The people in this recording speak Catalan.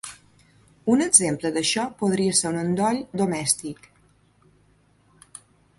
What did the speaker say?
Un exemple d'això podria ser un endoll domèstic.